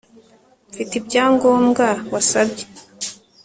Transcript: Mfite ibyangombwa wasabye